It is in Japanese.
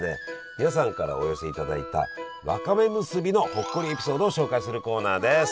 皆さんからお寄せいただいたわかめむすびのほっこりエピソードを紹介するコーナーです。